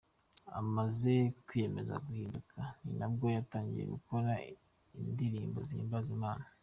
Amaze kwiyemeza guhinduka ni bwo yatangiye gukora indirimbo zihimbaza Imana.